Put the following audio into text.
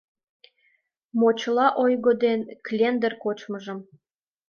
Мочыла ойго ден клендыр кочмыжым